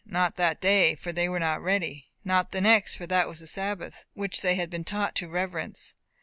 Not that day, for they were not ready. Not the next, for that was the Sabbath, which they had been taught to reverence.